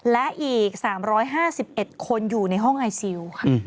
และอีก๓๕๑คนอยู่ในห้องไอซิลค่ะ